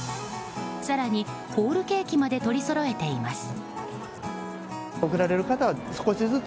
更にホールケーキまで取りそろえています。